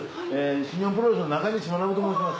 新日本プロレスの中西学と申します。